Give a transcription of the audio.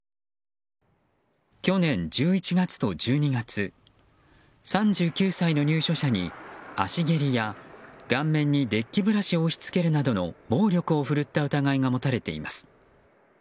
去年１１月と１２月３９歳の入所者に足蹴りや、顔面にデッキブラシを押し付けるなどの暴力を振るった疑いが持たれています。